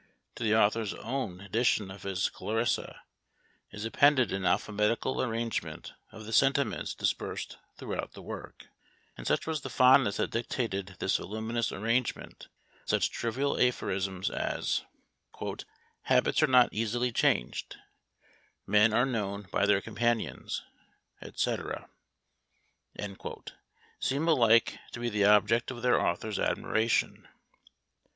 To the author's own edition of his Clarissa is appended an alphabetical arrangement of the sentiments dispersed throughout the work; and such was the fondness that dictated this voluminous arrangement, that such trivial aphorisms as, "habits are not easily changed," "men are known by their companions," &c., seem alike to be the object of their author's admiration.